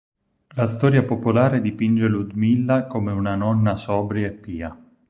La storia popolare dipinge Ludmilla come una nonna sobria e pia.